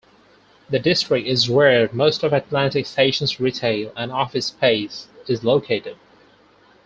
The District is where most of Atlantic Station's retail and office space is located.